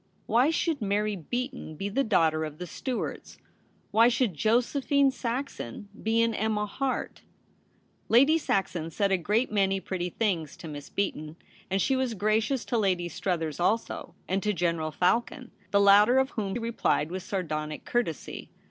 Why should INlary Beaton be the daughter of the Stuarts ? Why should Josephine Saxon be an Emma Harte ? Lady Saxon said a great many pretty things to Miss Beaton, and she was gracious to Lady Struthers also and to General Falcon, the latter of whom replied with sardonic courtesy.